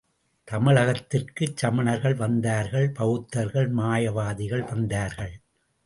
தமிழகத்திற்குச் சமணர்கள் வந்தார்கள் பெளத்தர்கள் மாயாவாதிகள் வந்தார்கள்.